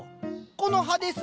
「この葉」です。